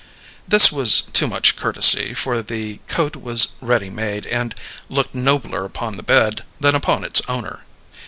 This was too much courtesy, for the coat was "ready made," and looked nobler upon the bed than upon its owner.